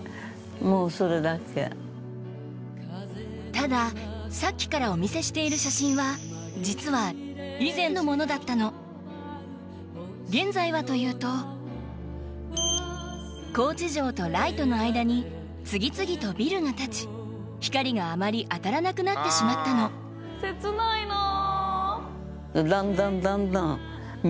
たださっきからお見せしている写真は実は以前のものだったの高知城とライトの間に次々とビルが建ち光があまり当たらなくなってしまったの切ないなあ。